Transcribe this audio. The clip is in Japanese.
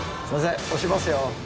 押しますよ。